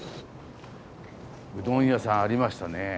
うどん屋さんありましたね。